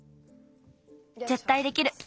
ぜったいできる！